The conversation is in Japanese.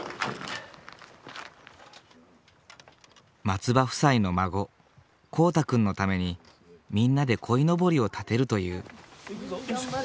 松場夫妻の孫公汰君のためにみんなでこいのぼりを立てるという。